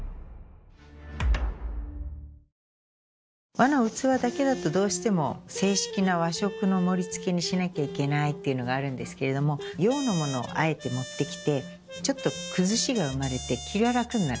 和の器だけだとどうしても正式な和食の盛り付けにしなきゃいけないっていうのがあるんですけれども洋のものをあえて持って来て。